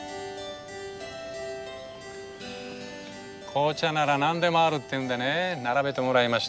紅茶なら何でもあるっていうんでね並べてもらいました。